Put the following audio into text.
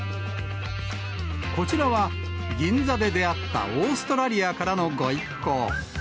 こちらは、銀座で出会ったオーストラリアからのご一行。